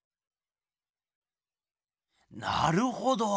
なるほど！